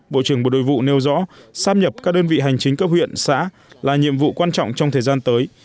bộ trưởng bộ đội vụ nêu rõ sắp nhập các đơn vị hành chính cấp huyện xã là nhiệm vụ quan trọng trong thời gian tới